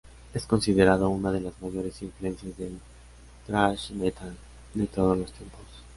Es considerado una de las mayores influencias del "thrash metal" de todos los tiempos.